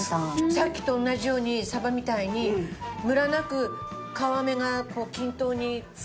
さっきと同じようにサバみたいにムラなく皮目が均等にパリッといくって事？